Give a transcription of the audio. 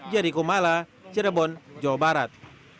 jerry kumala cirebon jawa barat